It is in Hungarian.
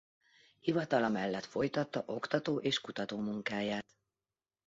Hivatala mellett folytatta oktató- és kutatómunkáját.